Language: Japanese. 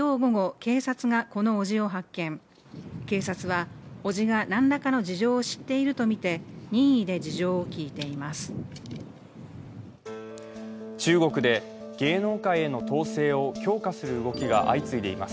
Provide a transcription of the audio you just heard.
警察は伯父が何らかの事情を知っているとみて、任意で事情を聴いていてます。